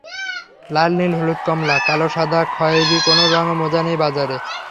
লাল, নীল, হলুদ, কমলা, কালো, সাদা, খয়েরি কোন রঙের মোজা নেই বাজারে।